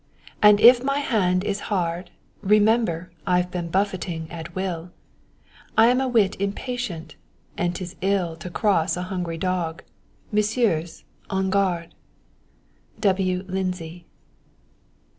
And if my hand is hard, Remember I've been buffeting at will; I am a whit impatient, and 'tis ill To cross a hungry dog. Messieurs, en garde. W. Lindsey.